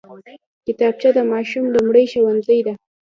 کتابچه د ماشوم لومړی ښوونځی دی